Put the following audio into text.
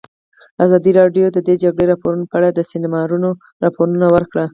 ازادي راډیو د د جګړې راپورونه په اړه د سیمینارونو راپورونه ورکړي.